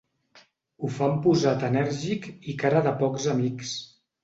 Ho fa amb posat enèrgic i cara de pocs amics.